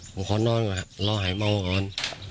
ผมขอนอนก่อนรอหายเมาก่อน